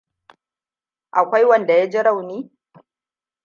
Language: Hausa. Ko akwai wanda ya ji rauni?